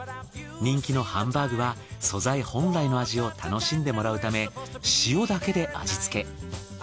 人気のハンバーグは素材本来の味を楽しんでもらうため塩だけで味付け。